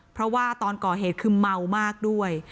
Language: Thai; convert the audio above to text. เพราะว่าตอนก่อเหตุคือเมามากด้วย